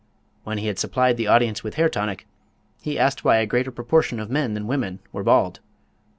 When he had supplied the audience with hair tonic, he asked why a greater proportion of men than women were bald.